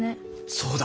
そうだ！